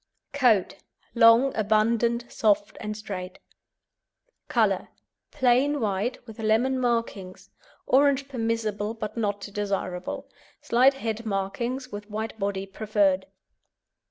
COAT Long, abundant, soft and straight. COLOUR Plain white with lemon markings; orange permissible but not desirable; slight head markings with white body preferred.